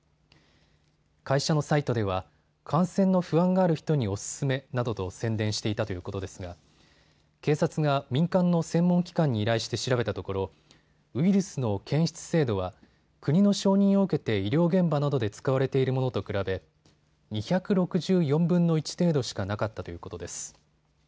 会社のサイトでは感染の不安のある人におすすめなどと宣伝していたということですが警察が民間の専門機関に依頼して調べたところウイルスの検出精度は国の承認を受けて医療現場などで使われているものと比べ２６４分の１程度しかなかったということです。